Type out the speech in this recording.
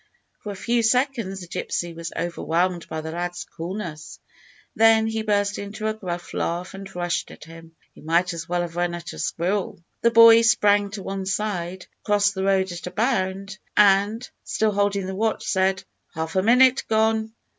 For a few seconds the gypsy was overwhelmed by the lad's coolness; then he burst into a gruff laugh and rushed at him. He might as well have run at a squirrel. The boy sprang to one side, crossed the road at a bound, and, still holding the watch, said "Half a minute gone!"